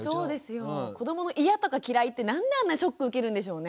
子どもの嫌とか嫌いってなんであんなショック受けるんでしょうね。